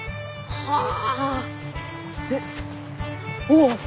はあ。